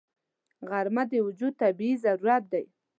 غرمه د وجود طبیعي ضرورت دی